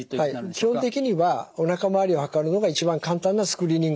基本的にはおなか周りを測るのが一番簡単なスクリーニング方法ですね。